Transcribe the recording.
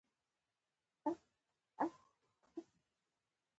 پسه له کوچنیو ماشومانو سره نرمي کوي.